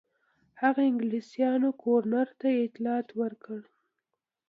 هغه انګلیسیانو ګورنر ته اطلاع ورکړه.